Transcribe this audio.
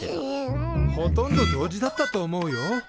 うう。ほとんど同時だったと思うよ。